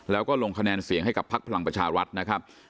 แล้วก็ลงคะแนนเสียงให้กับพักพลังประชารัฐนะครับ